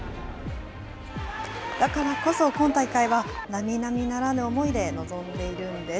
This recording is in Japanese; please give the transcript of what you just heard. だからこそ、今大会はなみなみならぬ思いで臨んでいるんです。